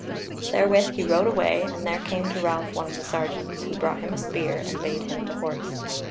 Therewith he rode away, and there came to Ralph one of the sergeants, who brought him a spear, and bade him to horse.